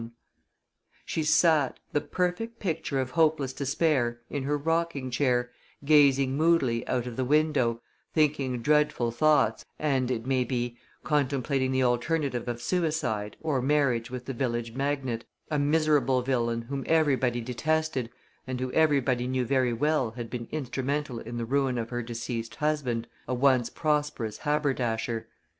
She sat, the perfect picture of hopeless despair, in her rocking chair, gazing moodily out of the window, thinking dreadful thoughts, and, it may be, contemplating the alternative of suicide or marriage with the village magnate, a miserable villain whom everybody detested, and who, everybody knew very well, had been instrumental in the ruin of her deceased husband, a once prosperous haberdasher.